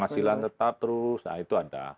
penghasilan tetap terus nah itu ada